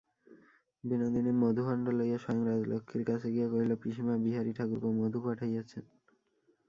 বিনোদিনী মধুভাণ্ড লইয়া স্বয়ং রাজলক্ষ্মীর কাছে গিয়া কহিল, পিসিমা, বিহারী-ঠাকুরপো মধু পাঠাইয়াছেন।